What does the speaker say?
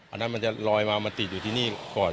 อันนั้นมันจะลอยมามาติดอยู่ที่นี่ก่อน